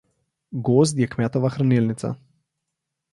Gozd je kmetova hranilnica.